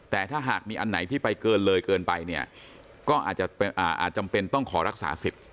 แต่ถ้าหากมีอันไหนที่ไปเกินเลยเกินไปเนี่ยก็อาจจะจำเป็นต้องขอรักษาสิทธิ์